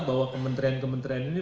bahwa kementerian kementerian ini